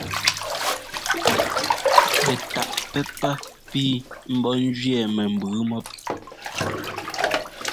Pɛ taʼ pɛ́pá pii mbɔ́ ɛ́njʉɛ mɛ mbʉʉ mɔ́p.